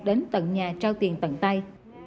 đến tận nhà trao tiền tận tay